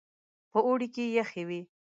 په اوړي کې يخې وې.